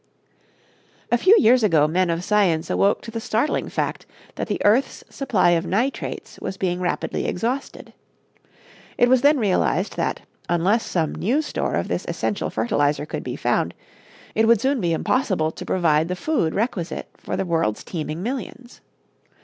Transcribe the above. A few years ago men of science awoke to the startling fact that the earth's supply of nitrates was being rapidly exhausted. It was then realized that, unless some new store of this essential fertilizer could be found, it would soon be impossible to provide the food requisite for the world's teeming millions.